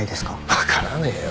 わからねえよ。